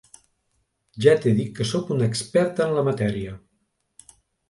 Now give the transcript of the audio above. Ja t'he dit que sóc una experta en la matèria!